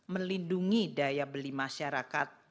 melindungi daya beli masyarakat